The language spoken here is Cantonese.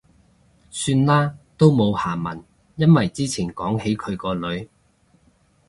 算喇，都冇下文。因為之前講起佢個女